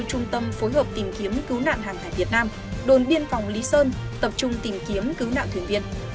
trung tâm phối hợp tìm kiếm cứu nạn hàng hải việt nam đồn biên phòng lý sơn tập trung tìm kiếm cứu nạn thuyền viên